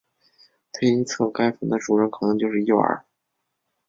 推测该坟的主人可能就是伊瓦尔。